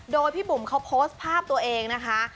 โดยพี่บุ๋มเขาโพสต์ภาพตัวเองนะคะ